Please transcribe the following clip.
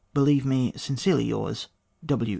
Believe me, sincerely yours, W.